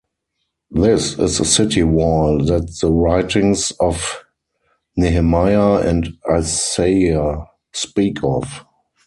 This is they city wall that the writings of Nehemiah and Isaiah speak of.